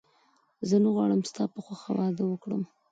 زه نه غواړم ستا په خوښه واده وکړم